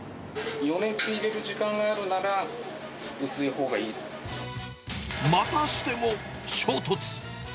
余熱を入れる時間があるなら、またしても衝突。